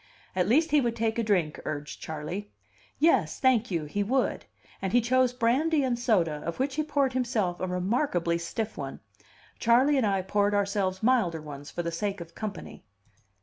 At least he would take a drink, urged Charley. Yes, thank you, he would; and he chose brandy and soda, of which he poured himself a remarkably stiff one. Charley and I poured ourselves milder ones, for the sake of company.